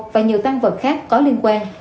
và nhiều tăng vật khác có liên quan